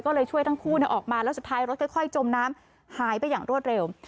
ก็เลยช่วยทั้งคู่ออกมาแล้วสุดท้ายรถค่อยจมน้ำหายไปอย่างรวดเร็ว